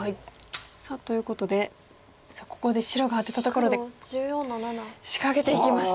さあということでここで白がアテたところで仕掛けていきました。